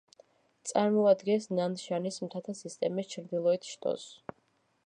წარმოადგენს ნანშანის მთათა სისტემის ჩრდილოეთ შტოს.